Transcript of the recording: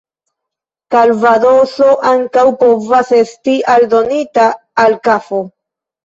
Kalvadoso ankaŭ povas esti aldonita al kafo.